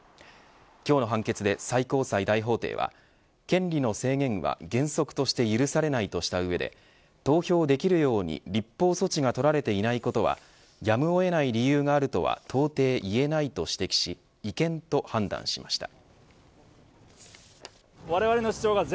今日の判決で最高裁大法廷は権利の制限は原則として許されないとした上で投票できるように立法措置が取られていないことはやむを得ない理由があるとは到底言えないと指摘し違憲と判断しました。